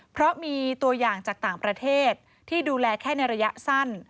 เพราะมีตัวอย่างจากต่างประเทศที่ดูแลแค่ในระยะสั้น